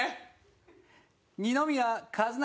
二宮和也